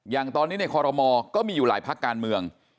อย่างตอนนี้ในคอรมอก็มีอยู่หลายพักการเมือง